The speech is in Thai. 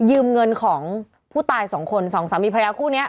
ยืมเงินของผู้ตายสองคนสองสามีภรรยาคู่นี้